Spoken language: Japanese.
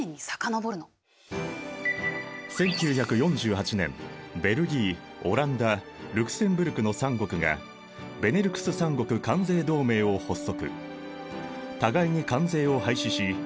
１９４８年ベルギーオランダルクセンブルクの３国がベネルクス３国関税同盟を発足。